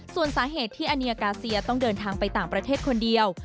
ส่วนสาเหตุที่อาเนียกาเซียต้องเดินทางไปต่างประเทศคนเดียว